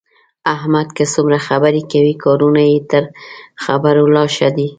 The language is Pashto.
احمد که څومره خبرې کوي، کارونه یې تر خبرو لا ښه دي.